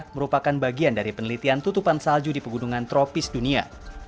merupakan bagian dari penelitian tutupan salju di pegunungan tropis dunia